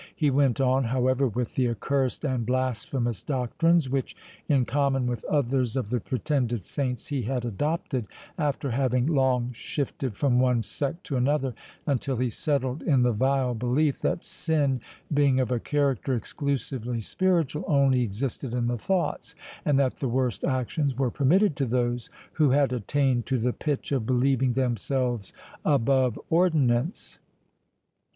He went on, however, with the accursed and blasphemous doctrines, which, in common with others of the pretended saints, he had adopted, after having long shifted from one sect to another, until he settled in the vile belief, that sin, being of a character exclusively spiritual, only existed in the thoughts, and that the worst actions were permitted to those who had attained to the pitch of believing themselves above ordinance.